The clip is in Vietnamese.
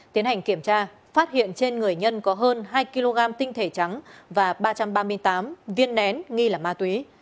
tiến hành kiểm tra phát hiện trên người nhân có hơn hai kg tinh thể trắng và ba trăm ba mươi tám viên nén nghi là ma túy